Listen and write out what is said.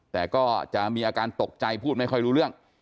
แต่ก็จะมีอาการตกใจพูดไม่ค่อยรู้เรื่อง